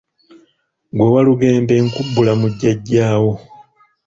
Ggwe Walugembe nkubbula mu jjajja wo.